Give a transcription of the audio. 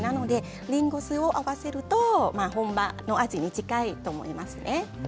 りんご酢を合わせると本場の味に近いと思いますね。